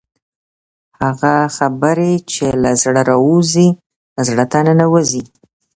هغه خبرې چې له زړه راوځي زړه ته ننوځي.